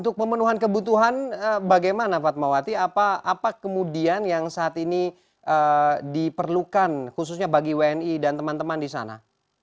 untuk pemenuhan kebutuhan bagaimana fatmawati apa kemudian yang saat ini diperlukan khususnya bagi wni dan teman teman di sana